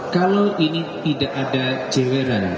kalau ini tidak ada jeweran